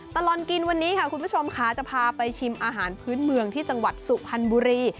ตลอดกินวันนี้ค่ะคุณผู้ชมค่ะจะพาไปชิมอาหารพื้นเมืองที่จังหวัดสุพรรณบุรี